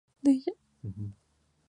Está firmado y rubricado sin fecha.